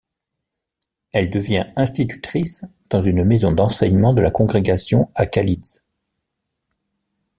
Elle devient institutrice dans une maison d'enseignement de la congrégation à Kalisz.